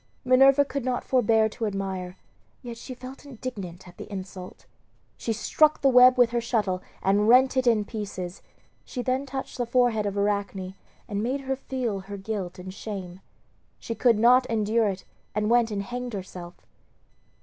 Minerva could not forbear to admire, yet felt indignant at the insult. She struck the web with her shuttle and rent it in pieces, she then touched the forehead of Arachne and made her feel her guilt and shame. She could not endure it and went and hanged herself.